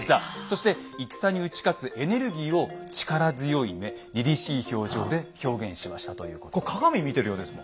そして戦に打ち勝つエネルギーを力強い目りりしい表情で表現しましたということです。